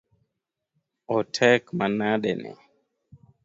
Otek manade ni